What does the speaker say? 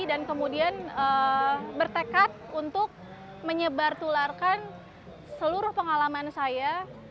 dan kemudian bertekad untuk menyebar tularkan seluruh pengalaman saya